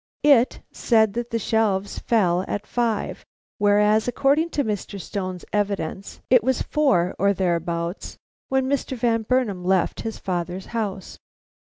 It said that the shelves fell at five, whereas, according to Mr. Stone's evidence, it was four, or thereabouts, when Mr. Van Burnam left his father's house.